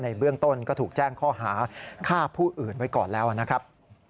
เบื้องต้นก็ถูกแจ้งข้อหาฆ่าผู้อื่นไว้ก่อนแล้วนะครับ